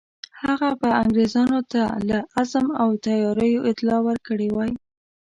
هغه به انګرېزانو ته له عزم او تیاریو اطلاع ورکړې وای.